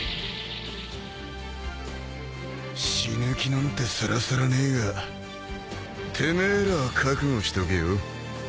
死ぬ気なんてさらさらねえがてめえらは覚悟しとけよ。